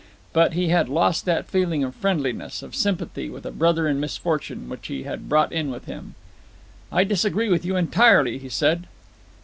But he had lost that feeling of friendliness, of sympathy with a brother in misfortune which he had brought in with him. "I disagree with you entirely," he said.